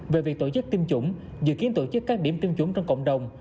về việc tổ chức tiêm chủng dự kiến tổ chức các điểm tiêm chủng trong cộng đồng